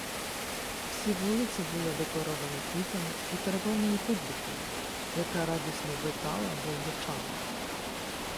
Всі вулиці були декоровані квітами й переповнені публікою, яка радісно витала Болбочана.